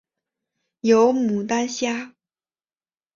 有牡丹虾